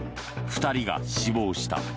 ２人が死亡した。